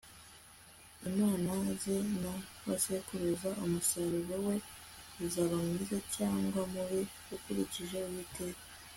imana ze na basekuruza, umusaruro we uzaba mwiza cyangwa mubi ukurikije uwiteka